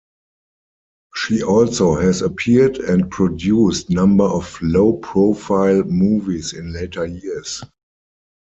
She also has appeared and produced number of low-profile movies in later years.